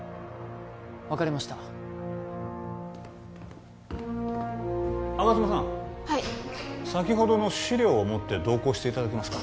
分かりました吾妻さんはい先ほどの資料を持って同行していただけますか？